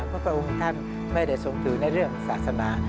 เพราะพระองค์ท่านไม่ได้ทรงถือในเรื่องศาสนา